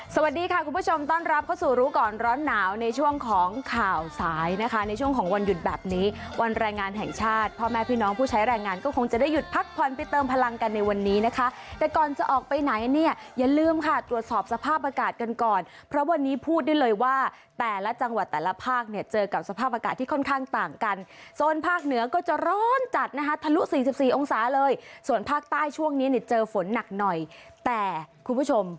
สวัสดีค่ะคุณผู้ชมต้อนรับเข้าสู่รู้ก่อนร้อนหนาวในช่วงของข่าวสายนะคะในช่วงของวันหยุดแบบนี้วันแรงงานแห่งชาติพ่อแม่พี่น้องผู้ใช้แรงงานก็คงจะได้หยุดพักผ่อนไปเติมพลังกันในวันนี้นะคะแต่ก่อนจะออกไปไหนเนี่ยอย่าลืมค่ะตรวจสอบสภาพอากาศกันก่อนเพราะวันนี้พูดได้เลยว่าแต่ละจังหวัดแต่ล